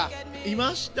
いました。